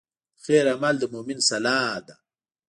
د خیر عمل د مؤمن سلاح ده.